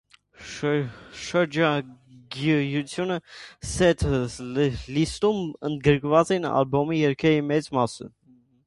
Շրջագայության սեթ լիստում ընդգրկված են ալբոմի երգերի մեծ մասը։